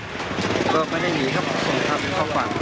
ก็ไม่ได้หนีครับเขาส่งเข้าฝากมา